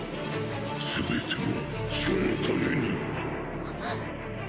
全ては主のために。